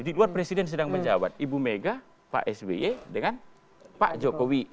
di luar presiden sedang menjawab ibu mega pak sby dengan pak jokowi